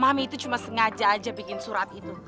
memahami itu cuma sengaja aja bikin surat itu